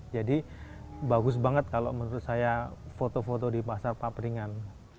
jadi bagus banget kalau menurut saya foto foto di pasar paperingan